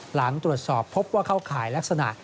หลังตรวจสอบพบว่าเข้าข่ายลักษณะ